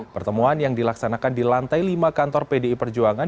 pertemuan yang dilaksanakan di lantai lima kantor pdi perjuangan